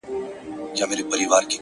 بابولاله _